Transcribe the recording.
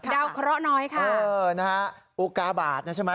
เคราะห์น้อยค่ะเออนะฮะอุกาบาทนะใช่ไหม